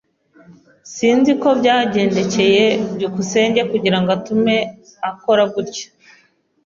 Sinzi uko byagendekeye byukusenge kugirango atume akora gutya.